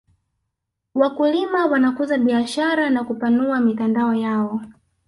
wakulima wanakuza biashara na kupanua mitandao yao